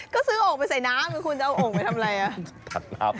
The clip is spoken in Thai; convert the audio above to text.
ก็ซื้อโอ่งไปใส่น้ำคุณจะเอาโอ่งไปทำอะไรอ่ะ